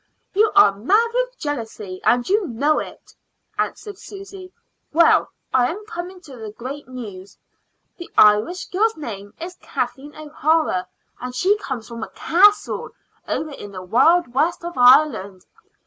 "You are mad with jealousy, and you know it," answered Susy. "Well, I am coming to the great news. The Irish girl's name is Kathleen O'Hara, and she comes from a castle over in the wild west of Ireland.